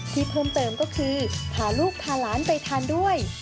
ที่เพิ่มเติมก็คือพาลูกพาหลานไปทานด้วย